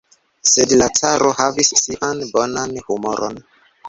Sed la caro havis sian bonan humoron.